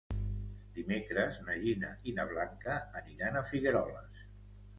Dimecres na Gina i na Blanca aniran a Figueroles.